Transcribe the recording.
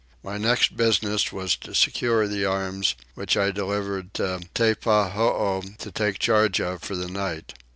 My next business was to secure the arms, which I delivered to Teppahoo to take charge of for the night.